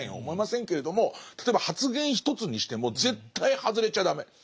思いませんけれども例えば発言一つにしても絶対外れちゃ駄目。